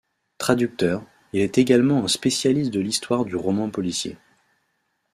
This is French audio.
Traducteur, il est également un spécialiste de l'histoire du roman policier.